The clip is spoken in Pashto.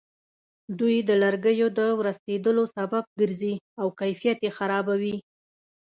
دوی د لرګیو د ورستېدلو سبب ګرځي او کیفیت یې خرابوي.